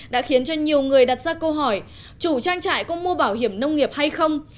đã khiến cho nhiều người đặt ra câu hỏi chủ trang trại có mua bảo hiểm nông nghiệp hay không